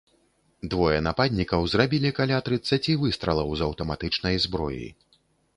Двое нападнікаў зрабілі каля трыццаці выстралаў з аўтаматычнай зброі.